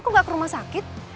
kok gak ke rumah sakit